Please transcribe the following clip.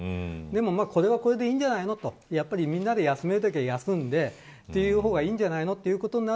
これは、これでいいんじゃないのみんなで休めるときは休んでという方がいいんじゃないのということになる。